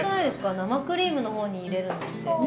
生クリームのほうに入れるのって。